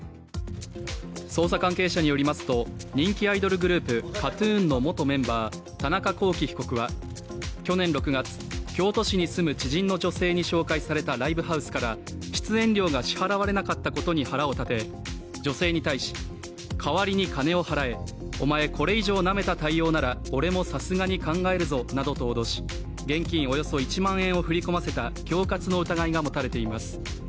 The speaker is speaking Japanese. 捜査関係者によりますと人気アイドルグループＫＡＴ−ＴＵＮの元メンバー田中聖被告は去年６月京都市に住む知人の女性に紹介されたライブハウスから出演料が支払われなかったことに腹を立て女性に対し、代わりに金を払えお前、これ以上なめた対応なら俺もさすがに考えるぞなどと脅し、現金およそ１万円を振り込ませた恐喝の疑いがもたれています。